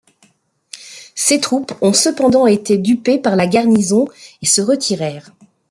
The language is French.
Ses troupes ont cependant été dupées par la garnison et se retirèrent.